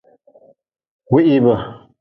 Wihibe.